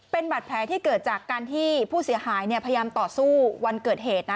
เป็นบาดแผลที่เกิดจากการที่ผู้เสียหายพยายามต่อสู้วันเกิดเหตุนะ